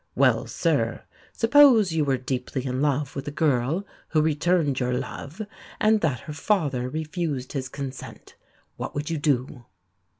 "Well, sir, suppose you were deeply in love with a girl who returned your love, and that her father refused his consent. What would you do?"